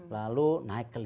lalu naik ke lima